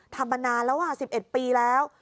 ทำมานานแล้ว๑๑ปีแล้ว